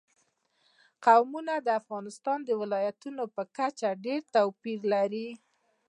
قومونه د افغانستان د ولایاتو په کچه ډېر توپیر لري.